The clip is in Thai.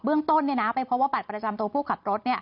เบื้องต้นไปเพราะว่าปรัจจำตัวผู้ขับรถ